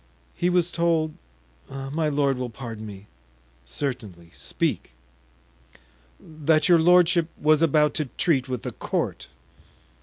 "He was told—my lord will pardon me——" "Certainly, speak." "That your lordship was about to treat with the court."